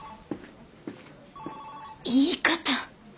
言い方！